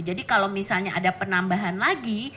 jadi kalau misalnya ada penambahan lagi